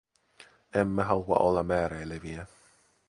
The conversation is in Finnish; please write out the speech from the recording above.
Emme halua olla määräileviä.